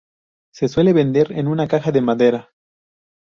Se suele vender en una caja de madera.